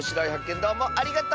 どうもありがとう！